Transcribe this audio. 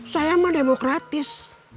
saya mah demokratis